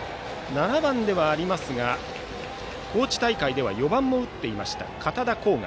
７番ではありますが高知大会で４番も打っていました。